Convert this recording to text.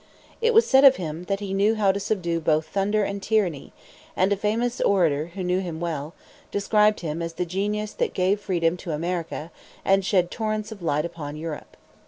It was said of him that he knew how to subdue both thunder and tyranny; and a famous orator who knew him well, described him as "the genius that gave freedom to America and shed torrents of light upon Europe."